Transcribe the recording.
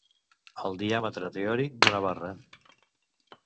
El diàmetre teòric d'una barra.